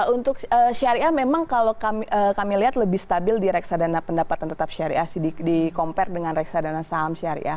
untuk syariah memang kalau kami lihat lebih stabil di reksadana pendapatan tetap syariah di compare dengan reksadana saham syariah